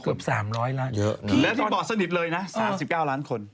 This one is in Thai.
เกือบสามร้อยล้านเยอะแล้วที่บอกสนิทเลยนะสามสิบเก้าร้านคน